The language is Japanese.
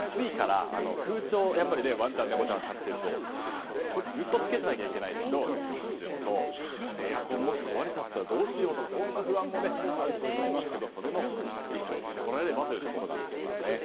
今は暑いから空調、ワンちゃんや猫ちゃんを飼うとずっとつけてないといけないのでエアコンがもし壊れたらどうしようという不安もあると思いますがそれも一緒に連れてこられればというところなんですよね。